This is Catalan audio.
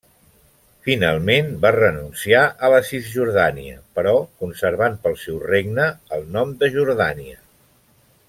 Finalment va renunciar a la Cisjordània, però conservant pel seu regne el nom de Jordània.